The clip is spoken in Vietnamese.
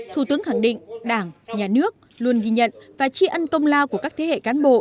thủ tướng khẳng định đảng nhà nước luôn ghi nhận và tri ân công lao của các thế hệ cán bộ